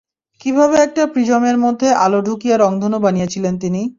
কীভাবে একটা প্রিজমের মাঝে আলো ঢুকিয়ে রঙধনু বানিয়েছিলেন তিনি।